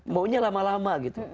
bawahnya lama lama gitu